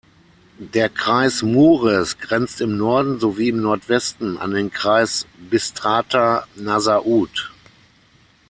Der Kreis Mureș grenzt im Norden sowie im Nordwesten an den Kreis Bistrița-Năsăud.